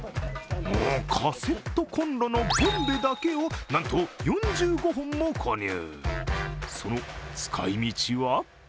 カセットコンロのボンベだけをなんと４５本も購入。